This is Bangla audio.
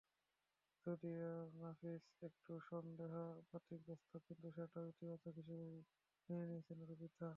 যদিও নাফিস একটু সন্দেহ বাতিকগ্রস্ত কিন্তু সেটাও ইতিবাচক হিসেবেই মেনে নিয়েছে রুবিতা।